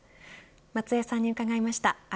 松江さんに伺いました。